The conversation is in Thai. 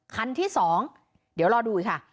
คันที่๒เดี๋ยวรอดูอีกค่ะ